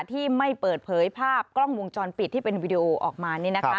ที่ไม่เปิดเผยภาพกล้องวงจรปิดที่เป็นวีดีโอออกมา